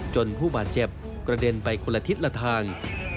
ผู้บาดเจ็บกระเด็นไปคนละทิศละทาง